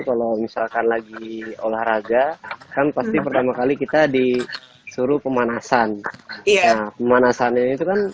kalau misalkan lagi olahraga kan pasti pertama kali kita di suruh pemanasan ya nah pemanasan dan